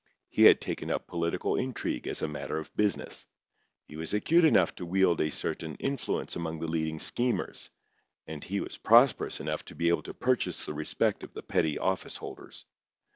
He had taken up political intrigue as a matter of business. He was acute enough to wield a certain influence among the leading schemers, and he was prosperous enough to be able to purchase the respect of the petty office holders.